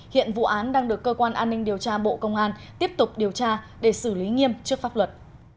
hiện vụ án đang được cơ quan an ninh điều tra bộ công an tiếp tục điều tra để xử lý nghiêm trước pháp luật